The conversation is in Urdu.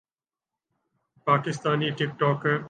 پاکستانی ٹک ٹاکر